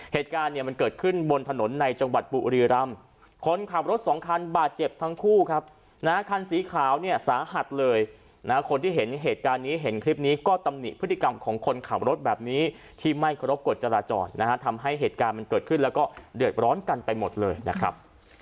เหตุการณ์เนี่ยมันเกิดขึ้นบนถนนในจังหวัดบุรีรำคนขับรถสองคันบาดเจ็บทั้งคู่ครับนะฮะคันสีขาวเนี่ยสาหัสเลยนะคนที่เห็นเหตุการณ์นี้เห็นคลิปนี้ก็ตำหนิพฤติกรรมของคนขับรถแบบนี้ที่ไม่เคารพกฎจราจรนะฮะทำให้เหตุการณ์มันเกิดขึ้นแล้วก็เดือดร้อนกันไปหมดเลยนะครับ